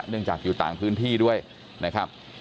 จากอยู่ต่างพื้นที่ด้วยนะครับ